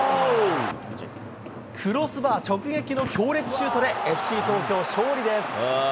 クロスバー直撃の強烈シュートで、ＦＣ東京、勝利です。